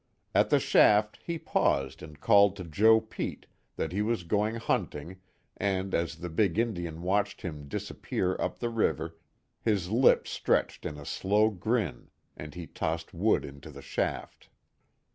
At the shaft he paused and called to Joe Pete that he was going hunting and as the big Indian watched him disappear up the river, his lips stretched in a slow grin, and he tossed wood into the shaft.